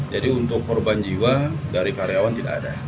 jadi untuk korban jiwa dari karyawan tidak ada